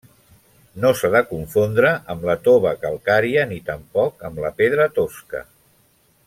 No s'ha de confondre amb la tova calcària ni tampoc amb la pedra tosca.